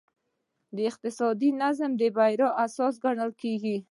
اقتصادي نظم د بریا اساس ګڼل کېږي.